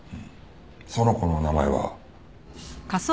その子の名前は？